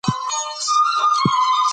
ده د ټولو وګړو مساوي حقونه منل.